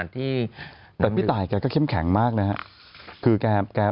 แต่พี่ไต่แค่เข้มแข็งมากนะฮะ